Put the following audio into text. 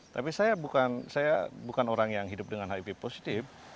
tapi saya bukan orang yang hidup dengan hiv positif